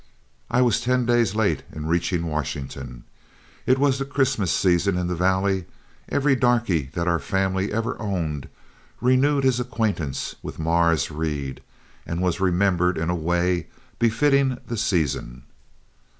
I was ten days late in reaching Washington. It was the Christmas season in the valley; every darky that our family ever owned renewed his acquaintance with Mars' Reed, and was remembered in a way befitting the season.